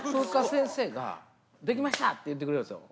先生が、できましたって言ってくれるんですよ。